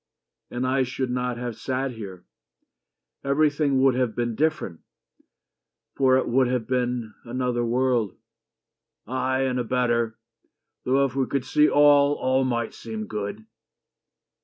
"And I should not have sat here. Everything Would have been different. For it would have been Another world." "Ay, and a better, though If we could see all all might seem good."